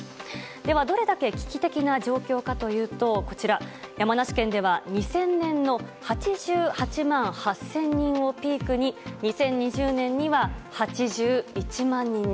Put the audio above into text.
では、どれだけ危機的な状況かというと山梨県では２０００年の８８万８０００人をピークに２０２０年には８１万人に。